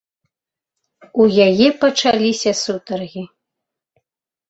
У яе пачаліся сутаргі.